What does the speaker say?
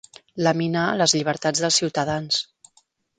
Laminar les llibertats dels ciutadans.